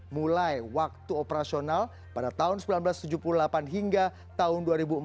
mulai waktu operasional pada tahun seribu sembilan ratus tujuh puluh delapan hingga tahun dua ribu empat